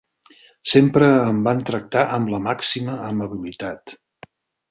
Sempre em van tractar amb la màxima amabilitat